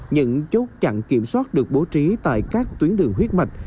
những chốt chặn kiểm soát được bố trí tại các tuyến đường huyết mạch